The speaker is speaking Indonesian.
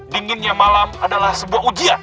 dinginnya malam adalah sebuah ujian